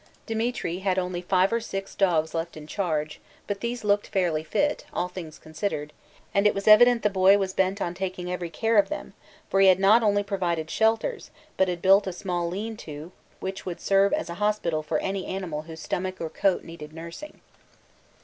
Demetri had only five or six dogs left in charge, but these looked fairly fit, all things considered, and it was evident the boy was bent on taking every care of them, for he had not only provided shelters, but had built a small 'lean to' which would serve as a hospital for any animal whose stomach or coat needed nursing.